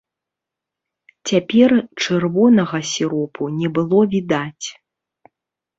Цяпер чырвонага сіропу не было відаць.